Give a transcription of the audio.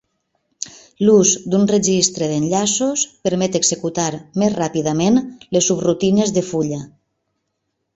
L'ús d'un registre d'enllaços permet executar més ràpidament les subrutines de fulla.